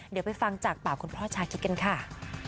เดี๋ยวไปฟังจากปากคุณพ่อชาคิดกันค่ะ